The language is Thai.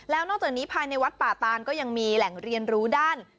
แล้วนอกจากนี้ภายในวัดป่าตานก็ยังมีแหล่งเรียนรู้ด้าน